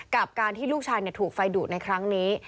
กับการที่ลูกชายถูกไฟดูดในครั้งนี้